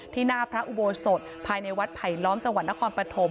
หน้าพระอุโบสถภายในวัดไผลล้อมจังหวัดนครปฐม